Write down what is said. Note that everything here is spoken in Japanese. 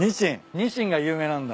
ニシンが有名なんだ。